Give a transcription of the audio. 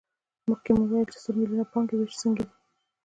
مخکې مو وویل چې له سل میلیونو پانګې وېش څنګه دی